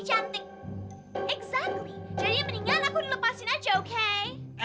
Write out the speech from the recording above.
jadi mendingan aku dilepasin aja oke